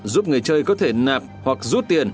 giúp người chơi có thể nạp hoặc rút tiền